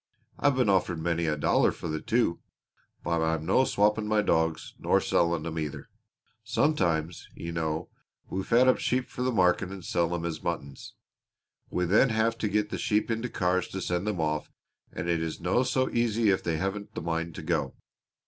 I've been offered many a dollar for the two. But I'm no swapping my dogs, nor selling them, either! Sometimes, you know, we fat up sheep for the market and sell them as muttons. We then have to get the sheep into cars to send them off and it is no so easy if they haven't the mind to go.